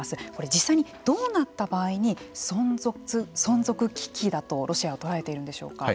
実際に、どうなった場合に存続危機だとロシアは捉えているんでしょうか。